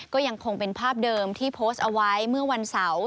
ก็ยังคงเป็นภาพเดิมที่โพสต์เอาไว้เมื่อวันเสาร์